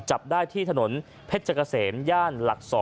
จับได้ที่ถนนเพชรเกษมย่านหลัก๒